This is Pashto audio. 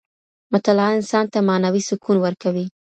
مطالعه انسان ته معنوي سکون ورکوي.